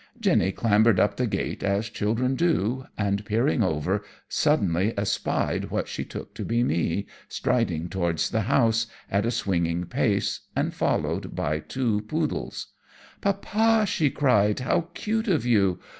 Jennie clambered up the gate as children do, and peering over, suddenly espied what she took to be me, striding towards the house, at a swinging pace, and followed by two poodles. "Poppa," she cried, "how cute of you!